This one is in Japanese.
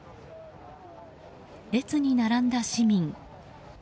列に並んだ市民。